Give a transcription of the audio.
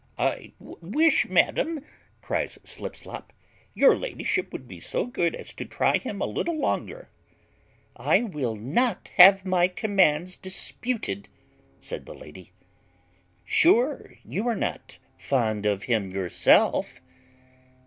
"I wish, madam," cries Slipslop, "your ladyship would be so good as to try him a little longer." "I will not have my commands disputed," said the lady; "sure you are not fond of him yourself?"